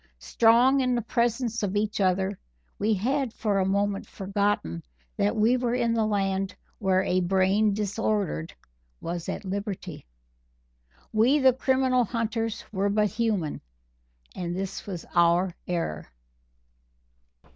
Strong in the presence of each other, we had for a moment forgotten that we were in the land where a brain disordered was at liberty. We, the criminal hunters, were but human and this was our error.